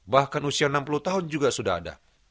bahkan usia enam puluh tahun juga sudah ada